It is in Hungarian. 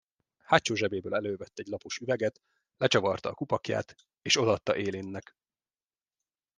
Hátsó zsebéből elővett egy lapos üveget, lecsavarta a kupakját, és odaadta Aline-nek.